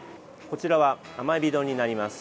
こちらは甘えび丼になります。